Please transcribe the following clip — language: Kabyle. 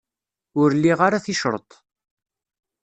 Ur liɣ ara ticreḍt.